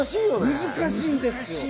難しいんですよ。